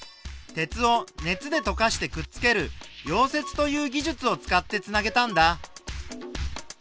鉄を熱でとかしてくっつける「溶接」という技術を使ってつなげたんだ。